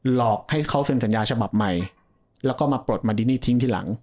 หลอกให้เขาเซ็นสัญญาฉบับใหม่แล้วก็มาปลดมาดีนี่ทิ้งทีหลัง